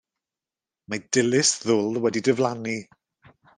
Mae Dilys Ddwl wedi diflannu.